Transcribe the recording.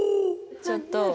ちょっと！